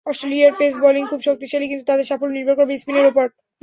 অস্ট্রেলিয়ার pace bowling খুবই শক্তিশালী, কিন্তু তাদের সাফল্য নির্ভর করবে স্পিনের ওপর।